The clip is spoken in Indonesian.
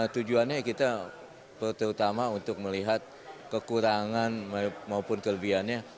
tujuannya kita terutama untuk melihat kekurangan maupun kelebihannya